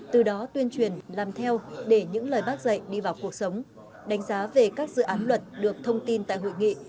từ đó tuyên truyền làm theo để những lời bác dạy đi vào cuộc sống đánh giá về các dự án luật được thông tin tại hội nghị